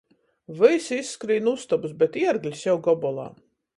Vysi izskrīn nu ustobys, bet Ierglis jau gobolā.